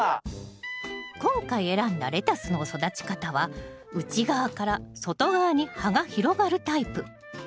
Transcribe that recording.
今回選んだレタスの育ち方は内側から外側に葉が広がるタイプ。